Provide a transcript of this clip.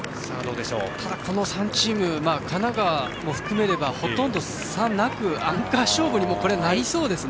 この３チーム神奈川も含めればほとんど差はなくアンカー勝負になりそうですね。